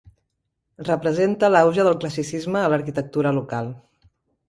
Representa l'auge del classicisme a l'arquitectura local.